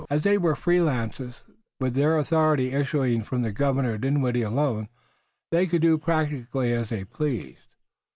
As they were free lances with their authority issuing from Governor Dinwiddie alone, they could do practically as they pleased.